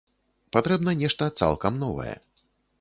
Патрэбна нешта цалкам новае.